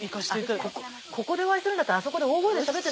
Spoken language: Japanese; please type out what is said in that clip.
ここでお会いするんだったらあそこで大声でしゃべって。